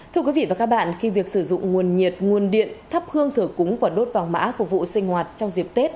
thưa quý vị và các bạn khi việc sử dụng nguồn nhiệt nguồn điện thắp hương thử cúng và đốt vàng mã phục vụ sinh hoạt trong dịp tết